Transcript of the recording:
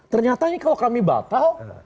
ternyata ini kalau kami batal